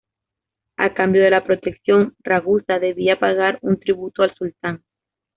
A cambio de la protección, Ragusa debía pagar un tributo al sultán.